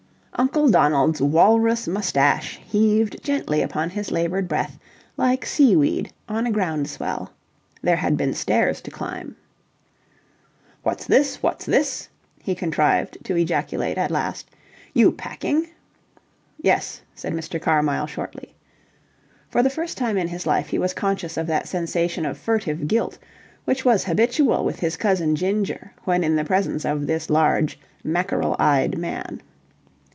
Uncle Donald's walrus moustache heaved gently upon his laboured breath, like seaweed on a ground swell. There had been stairs to climb. "What's this? What's this?" he contrived to ejaculate at last. "You packing?" "Yes," said Mr. Carmyle, shortly. For the first time in his life he was conscious of that sensation of furtive guilt which was habitual with his cousin Ginger when in the presence of this large, mackerel eyed man.